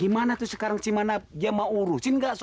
gimana tuh sekarang si manap dia mau urusin nggak soal gambang